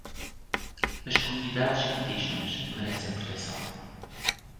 As comunidades indígenas merecem proteção